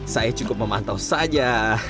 saya cukup memantau saja